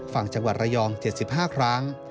ฝั่งจังหวัดระยอง๗๕ครั้ง